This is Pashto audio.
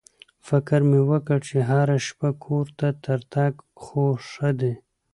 فکر مې وکړ چې هره شپه کور ته تر تګ خو ښه دی.